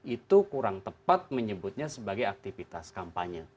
itu kurang tepat menyebutnya sebagai aktivitas kampanye